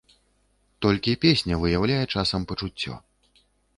Толькі песня выяўляе часам пачуццё.